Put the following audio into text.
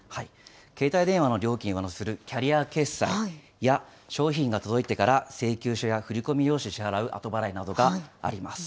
携帯電話の料金を乗せるキャリア決済や、商品が届いてから請求書や振り込み用紙で支払う後払いなどがあります。